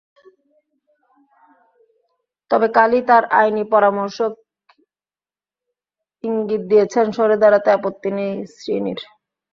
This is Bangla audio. তবে কালই তাঁর আইনি পরামর্শক ইঙ্গিত দিয়েছেন সরে দাঁড়াতে আপত্তি নেই শ্রীনির।